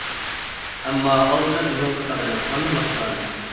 ئەمما ئالدى بىلەن ئۆزىڭىزنى قەدىرلەڭ، ئاندىن باشقىلارنى.